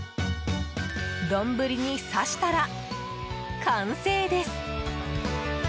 丼に刺したら完成です。